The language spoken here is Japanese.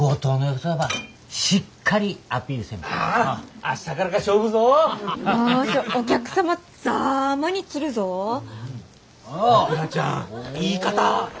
さくらちゃん言い方！